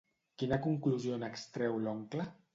Quina conclusió n'extreu l'oncle?